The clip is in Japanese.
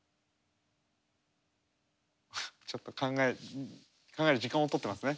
ちょっと考える時間を取ってますね。